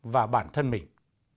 và bản thân mình